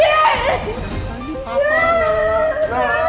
keputusan ini papa nara